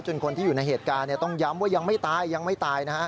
คนที่อยู่ในเหตุการณ์ต้องย้ำว่ายังไม่ตายยังไม่ตายนะฮะ